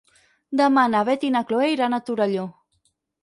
Demà na Beth i na Chloé iran a Torelló.